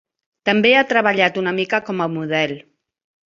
També ha treballat una mica com a model.